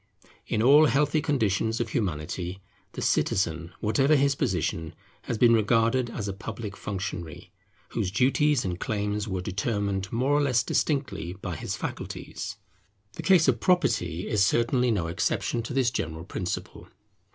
In all healthy conditions of Humanity, the citizen, whatever his position, has been regarded as a public functionary, whose duties and claims were determined more or less distinctly by his faculties. The case of property is certainly no exception to this general principle.